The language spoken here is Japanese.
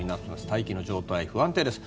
大気の状態、不安定です。